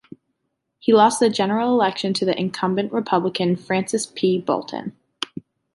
He lost the general election to incumbent Republican Frances P. Bolton.